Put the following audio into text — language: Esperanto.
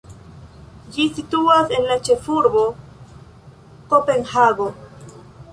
Ĝi situas en la ĉefurbo Kopenhago.